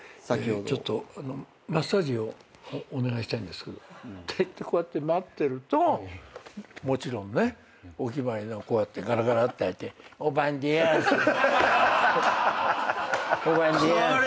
「ちょっとマッサージをお願いしたいんですけど」って言ってこうやって待ってるともちろんねお決まりのこうやってガラガラって開いて「おばんでやんす」「おばんでやんす」